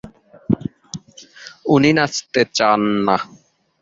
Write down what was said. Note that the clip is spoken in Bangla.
উনি নাচতে চান।